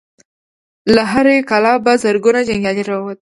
له هرې کلا په زرګونو جنګيالي را ووتل.